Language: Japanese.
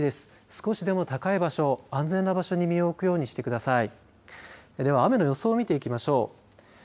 少しでも高い場所、安全な場所に身を置くようにしてください。